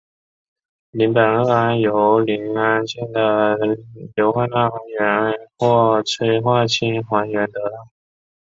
邻苯二胺由邻硝基苯胺的硫化钠还原或催化氢化还原得到。